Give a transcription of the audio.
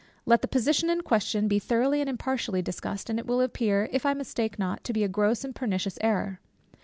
Let the position in question be thoroughly and impartially discussed, and it will appear, if I mistake not, to be a gross and pernicious error.